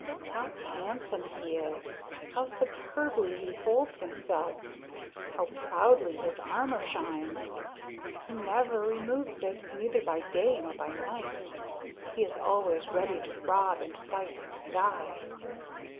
"How handsome he is, how superbly he holds himself, how proudly his armor shines! He never removes it, neither by day nor by night. He is always ready to rob and fight and die...."